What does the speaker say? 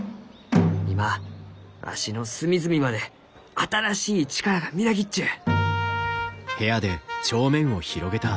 今わしの隅々まで新しい力がみなぎっちゅう！」。